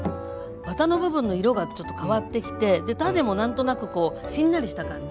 ワタの部分の色がちょっと変わってきて種も何となくこうしんなりした感じ。